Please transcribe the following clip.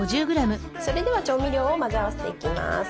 それでは調味料を混ぜ合わせていきます。